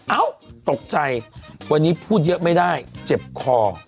เอ้าตกใจวันนี้พูดเยอะไม่ได้เจ็บคอ